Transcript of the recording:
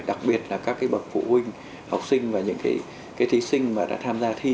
đặc biệt là các bậc phụ huynh học sinh và những thí sinh mà đã tham gia thi